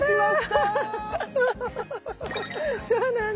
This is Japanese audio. あらそうなんだ。